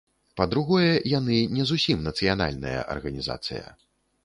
Па-другое, яны не зусім нацыянальная арганізацыя.